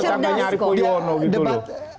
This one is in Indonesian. saya rasa masyarakat indonesia sangat cerdas